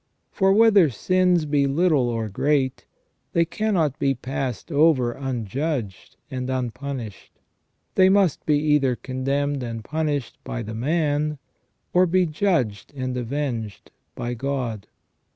For whether sins be little or great, they cannot be passed over unjudged and un punished. They must be either condemned and punished by the man, or be judged and avenged by God.